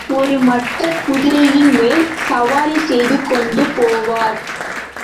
ஒரு மட்டக் குதிரையின்மேல் சவாரி செய்து கொண்டு போவார்.